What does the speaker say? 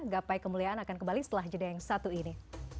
gapai kemuliaan akan kembali setelah jeda yang satu ini